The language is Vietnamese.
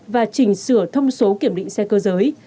và chỉnh sửa thông số kiểm định xe cơ giới